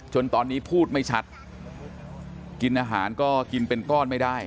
จนตอนนี้พูดไม่ชัดกินอาหารก็กินเป็นก้อนไม่ได้